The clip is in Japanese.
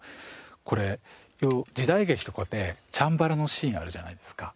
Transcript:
これ時代劇とかでチャンバラのシーンあるじゃないですか。